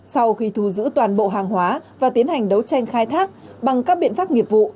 sau khi thu giữ toàn bộ hàng hóa và tiến hành đấu tranh khai thác bằng các biện pháp nghiệp vụ